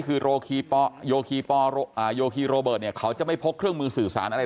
คือโยคีโรเบิร์ตเนี่ยเขาจะไม่พกเครื่องมือสื่อสารอะไร